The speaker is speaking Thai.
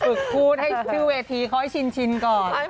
ฝึกกู้นให้ชื่อเวทีคอยชินก่อน